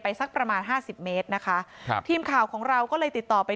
ไปสักประมาณ๕๐เมตรนะคะทีมข่าวของเราก็เลยติดต่อไป